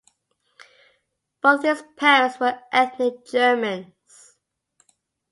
Both his parents were ethnic Germans.